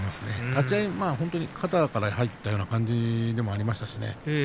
立ち合い、肩から入ったような感じでもありましたしね。